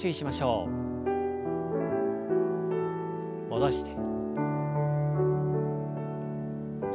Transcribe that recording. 戻して。